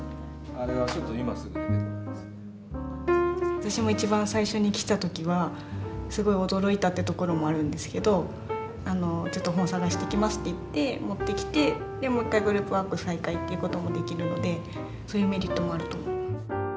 私も一番最初に来た時はすごい驚いたってところもあるんですけどあのちょっと本探してきますって言って持ってきてでもう一回グループワーク再開という事もできるのでそういうメリットもあると思います。